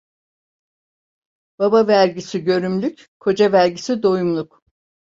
Baba vergisi görümlük, koca vergisi doyumluk.